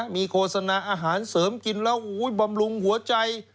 มีโฆษณาอาหารเสริมกินแล้วบำรุงหัวใจ